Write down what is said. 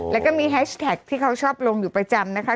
แล้วก็มีแฮชแท็กที่เขาชอบลงอยู่ประจำนะคะ